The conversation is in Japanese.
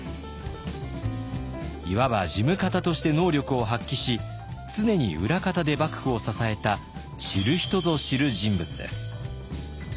いわば事務方として能力を発揮し常に裏方で幕府を支えた知る人ぞ知る人物です。